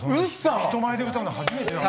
人前で歌うの初めてなの私。